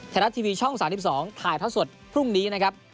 ไทยรัฐทีวีช่อง๓๒ถ่ายเท่าสดพรุ่งนี้นะครับ